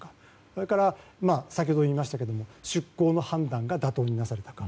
それから先ほども言いましたが出航の判断が妥当になされたか。